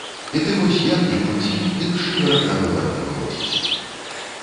І ты вось як ні круці, дык шыварат-навыварат выходзіць.